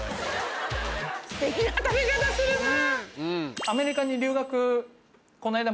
すてきな食べ方するなぁ。